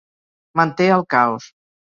Manté el caos.